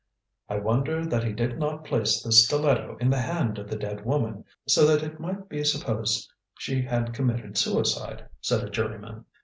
"I wonder that he did not place the stiletto in the hand of the dead woman, so that it might be supposed she had committed suicide," said a juryman.